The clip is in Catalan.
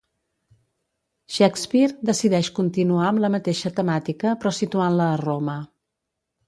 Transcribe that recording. Shakespeare decideix continuar amb la mateixa temàtica però situant-la a Roma.